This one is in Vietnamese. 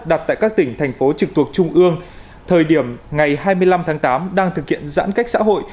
đặt tại các tỉnh thành phố trực thuộc trung ương thời điểm ngày hai mươi năm tháng tám đang thực hiện giãn cách xã hội